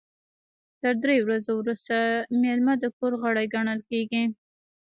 تر دریو ورځو وروسته میلمه د کور غړی ګڼل کیږي.